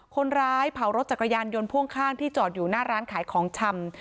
คนร้ายเผารถจักรยานยนต์พ่วงข้างที่จอดอยู่หน้าร้านขายของชำ